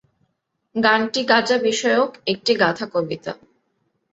গানটি গাঁজা বিষয়ক একটি গাথা-কবিতা।